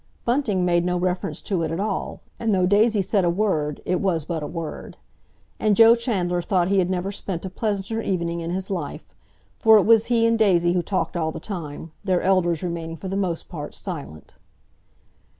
Bunting made no reference to it at all, and though Daisy said a word, it was but a word. And Joe Chandler thought he had never spent a pleasanter evening in his life—for it was he and Daisy who talked all the time, their elders remaining for the most part silent.